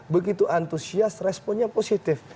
begitu antusias responnya positif